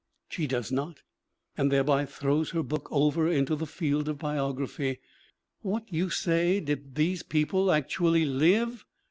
She does not, and thereby throws her book over into the field of biog raphy. What, you say, did these people actually live?